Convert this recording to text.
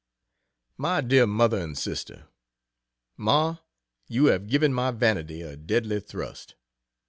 MY DEAR MOTHER AND SISTER, Ma, you have given my vanity a deadly thrust.